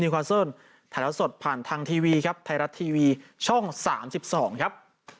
ไทยรัฐทีวีช่อง๓๒ครับ